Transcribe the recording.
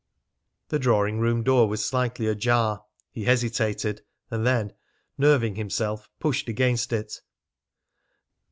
The drawing room door was slightly ajar. He hesitated, and then, nerving himself, pushed against it.